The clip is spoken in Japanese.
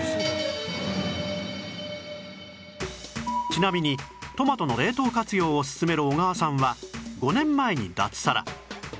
ちなみにトマトの冷凍活用を勧める小川さんは５年前に脱サラ